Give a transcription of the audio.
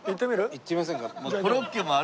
行ってみませんか？